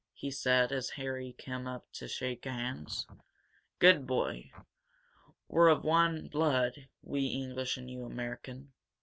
he said, as Harry came up to shake hands. "Good boy! We're of one blood, we English and you Americans.